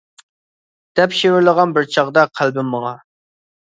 دەپ شىۋىرلىغان بىر چاغدا قەلبىم ماڭا!